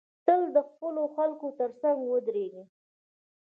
تل د خپلو خلکو تر څنګ ودریږی